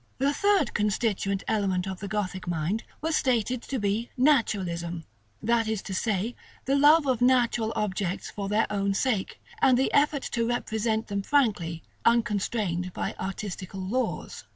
§ XLI. The third constituent element of the Gothic mind was stated to be NATURALISM; that is to say, the love of natural objects for their own sake, and the effort to represent them frankly, unconstrained by artistical laws.